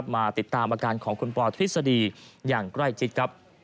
มาติดตามอาการของคุณปอทฤษฎีอย่างใกล้ชิดครับ